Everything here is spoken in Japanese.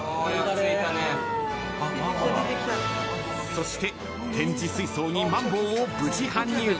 ［そして展示水槽にマンボウを無事搬入］